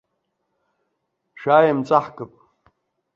Шәааи еимҵаҳкып.